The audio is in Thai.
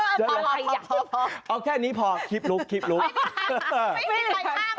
ไม่ได้คลิปลุกไม่มีใครข้ามพูดเลย